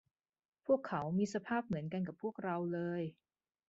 พวกเขามีสภาพเหมือนกันกับพวกเราเลย